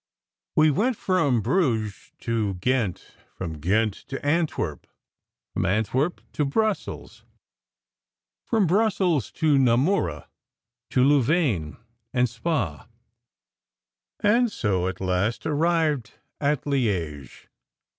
We went from Bruges to Ghent, from Ghent to Antwerp, from Antwerp to Brussels, from 210 SECRET HISTORY 211 Brussels to Namur, to Louvain, and Spa, and so at last arrived at Liege.